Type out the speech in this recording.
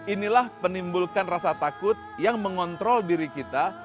inilah penimbulkan rasa takut yang mengontrol diri kita